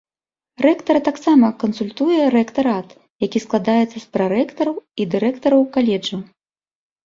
Рэктара таксама кансультуе рэктарат, які складаецца з прарэктараў і дырэктараў каледжаў.